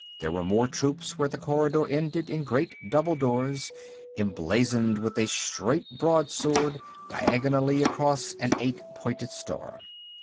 There were more troops where the corridor ended in great double doors, emblazoned with a straight broad sword diagonally across an eight pointed star.